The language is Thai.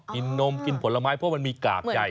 กินนมกินผลไม้เพราะมันมีกากใจ